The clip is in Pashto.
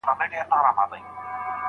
هغه پخپله اوږه ډېري مڼې وړې دي.